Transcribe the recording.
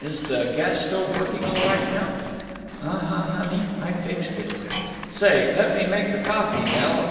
Is the gas stove working all right now?" "Um huh, honey. I fixed it." "Say, let me make the coffee, Nell.